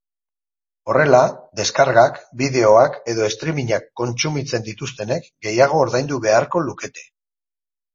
Horrela, deskargak, bideoak edo streamingak kontsumitzen dituztenek gehiago ordaindu beharko lukete.